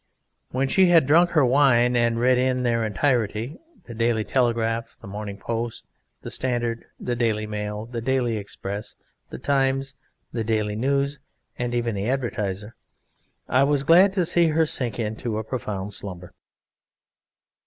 When she had drunk her wine and read in their entirety the Daily Telegraph, the Morning Post, the Standard, the Daily Mail, the Daily Express, the Times, the Daily News, and even the Advertiser, I was glad to see her sink into a profound slumber.